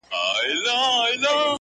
د زمانې له چپاوونو را وتلی چنار!